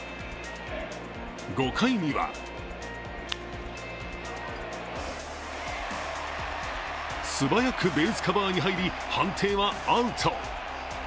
５回には素早くベースカバーに入り判定はアウト。